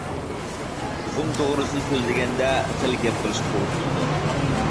تۇخۇم توغرىسىدا سۆزلىگەندە خېلى گەپ قىلىشقا توغرا كېلىدۇ.